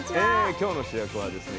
今日の主役はですね